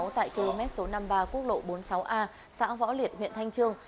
tại km số năm mươi ba quốc lộ bốn mươi sáu a xã võ liệt huyện thanh trương